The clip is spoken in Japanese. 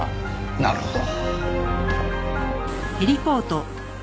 なるほど。